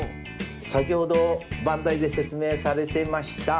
先ほど番台で説明されていました